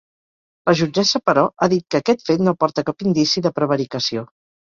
La jutgessa, però, ha dit que aquest fet no aporta cap indici de prevaricació.